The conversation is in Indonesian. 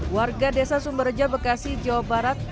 warga desa sumberja bekasi jawa barat